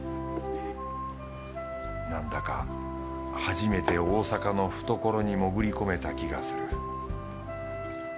なんだか初めて大阪の懐に潜り込めた気がする